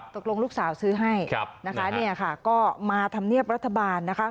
ตกลงลูกสาวซื้อให้นะคะเนี่ยค่ะก็มาธรรมเนียบรัฐบาลนะคะ